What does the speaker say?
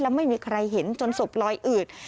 และไม่มีใครเห็นจนศพลอยอืด